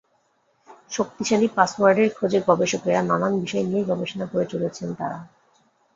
শক্তিশালী পাসওয়ার্ডের খোঁজে গবেষকেরা নানা বিষয় নিয়েই গবেষণা করে চলেছেন তাঁরা।